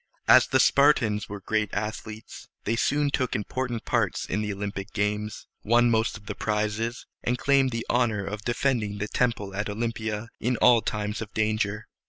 As the Spartans were great athletes, they soon took important parts in the Olympic games, won most of the prizes, and claimed the honor of defending the temple at Olympia in all times of danger.